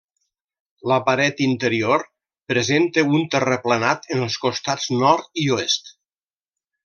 La paret interior presenta un terraplenat en els costats nord i oest.